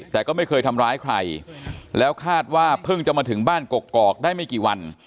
แต่ก็ไม่เคยทำร้ายใครแล้วคาดว่าเพิ่งจะมาถึงบ้านกกอกได้ไม่กี่วัน